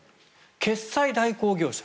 決済代行業者。